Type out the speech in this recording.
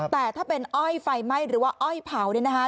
แต่ถ้าเป็นอ้อยไฟไหม้หรือว่าอ้อยเผาเนี่ยนะคะ